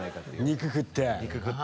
肉食って。